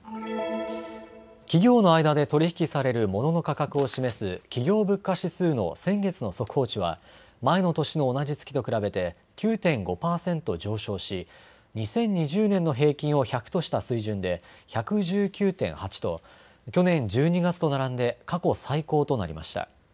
企業の間で取り引きされるモノの価格を示す企業物価指数の先月の速報値は前の年の同じ月と比べて９．５％上昇し２０２０年の平均を１００とした水準で１１９．８と去年１２月と並んで過去最高となりました。